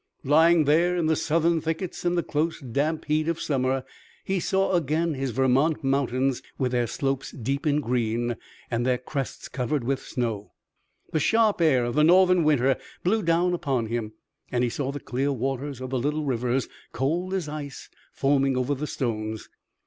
Lying there in the Southern thickets in the close damp heat of summer he saw again his Vermont mountains with their slopes deep in green and their crests covered with snow. The sharp air of the northern winter blew down upon him, and he saw the clear waters of the little rivers, cold as ice, foaming over the stones.